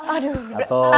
aduh tambah nafsu ya